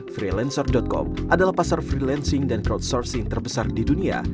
freelancer com adalah pasar freelancing dan crowdsourcing terbesar di dunia